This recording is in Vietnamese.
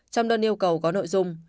trong đơn yêu cầu có nội dung